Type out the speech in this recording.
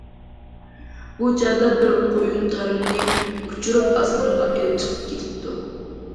بۇ چاغدا بىر قۇيۇن تارىمنى ئۇچۇرۇپ ئاسمانغا ئېلىپ چىقىپ كېتىپتۇ.